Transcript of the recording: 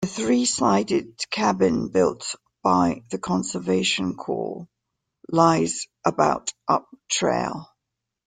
A three-sided cabin built by the Conservation Corps lies about up trail.